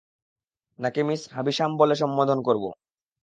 নাকি Miss Havisham বলে সম্মোধন করব?